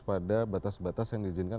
pada batas batas yang diizinkan